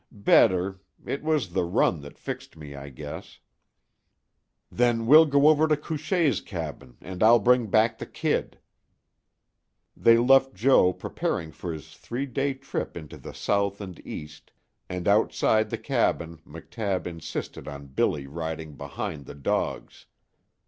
"Better. It was the run that fixed me, I guess." "Then we'll go over to Couchée's cabin and I'll bring back the kid." They left Joe preparing for his three day trip into the south and east, and outside the cabin McTabb insisted on Billy riding behind the dogs.